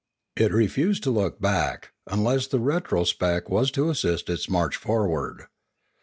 It refused to look back, unless the retrospect was to assist its march forward.